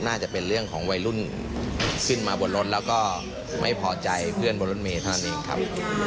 น่าจะเป็นเรื่องของวัยรุ่นขึ้นมาบนรถแล้วก็ไม่พอใจเพื่อนบนรถเมย์เท่านั้นเองครับ